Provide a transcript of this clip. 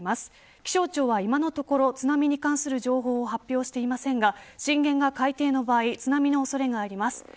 気象庁は今のところ津波に関する情報を発表していませんが震源が海底の場合津波の恐れがあります。